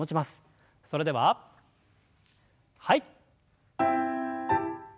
それでははい。